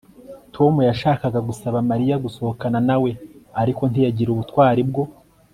Tom yashakaga gusaba Mariya gusohokana na we ariko ntiyagira ubutwari bwo